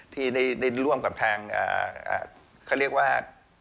ที่ได้ร่วมกับทางเขาเรียกว่า